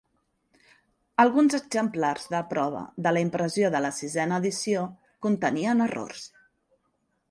Alguns exemplars de prova de la impressió de la sisena edició contenien errors.